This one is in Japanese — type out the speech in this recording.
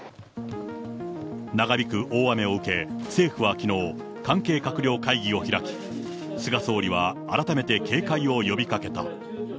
長引く大雨を受け、政府はきのう、関係閣僚会議を開き、菅総理は改めて警戒を呼びかけた。